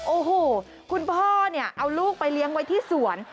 โอ้โหคุณพ่อเนี่ยเอาลูกไปเลี้ยงไว้ที่สวน